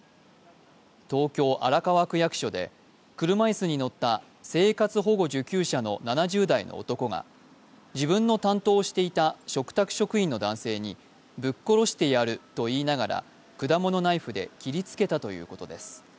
東京・荒川区役所で車椅子に乗った生活保護受給者の７０代の男が自分の担当をしていた嘱託職員の男性に、ぶっ殺してやると言いながら果物ナイフで切りつけたということです。